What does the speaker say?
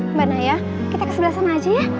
mbak naya kita ke sebelah sana aja ya